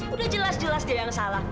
udah jelas jelas dia yang salah